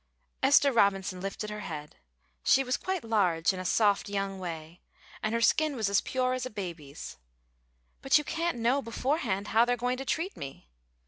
Esther Robinson lifted her head. She was quite large, in a soft young way, and her skin was as pure as a baby's. "But you can't know beforehand how they're going to treat me!"